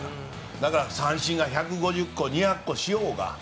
だから三振を１５０個、２００個しようが。